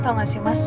tau gak sih mas